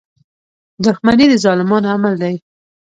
• دښمني د ظالمانو عمل دی.